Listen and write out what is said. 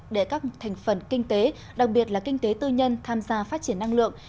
để các thành phần kinh tế đặc biệt là kinh tế tư nhân tham gia phát triển năng lượng